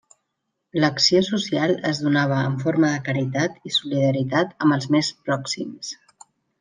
L'acció social es donava en forma de caritat i solidaritat amb els més pròxims.